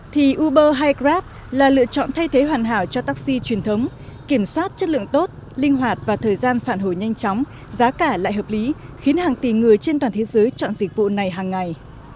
thì uber hay grab là lựa chọn thay thế hoàn hảo cho taxi truyền thống kiểm soát chất lượng tốt linh hoạt và thời gian phản hồi nhanh chóng giá cả lại hợp lý khiến hàng tỷ người trên toàn thế giới chọn dịch vụ này hàng ngày